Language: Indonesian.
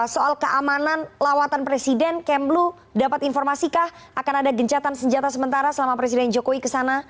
soal keamanan lawatan presiden kemlu dapat informasikah akan ada gencatan senjata sementara selama presiden jokowi kesana